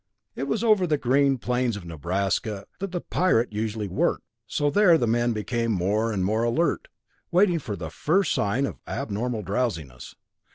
It was over the green plains of Nebraska that the Pirate usually worked, so there the men became more and more alert, waiting for the first sign of abnormal drowsiness.